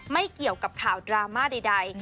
ไม่เกี่ยวกับข่าวดราม่าใด